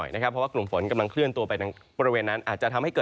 ณคณายก